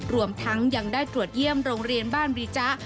รวมทั้งยังได้ตรวจเยี่ยมโรงเรียนบ้านบรีจ๊ะ